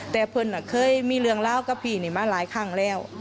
แต้พ่อนนั้นเคยมีเรื่องเธอก็พี่ดิมาหลายครั้งแล้ว